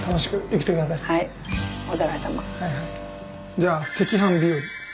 じゃあ「赤飯日和」。